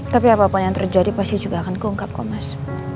tapi apapun yang terjadi pasti juga akan keungkap kok mas